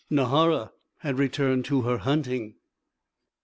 Nahara had returned to her hunting.